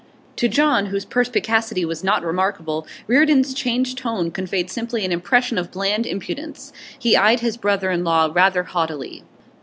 To John, whose perspicacity was not remarkable, Reardon's changed tone conveyed simply an impression of bland impudence. He eyed his brother in law rather haughtily.